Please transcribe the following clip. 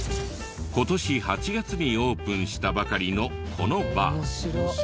今年８月にオープンしたばかりのこのバー。